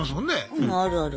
うんあるある。